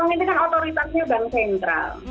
uang itu kan otoritasnya bank sentral